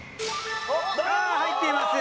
入っています。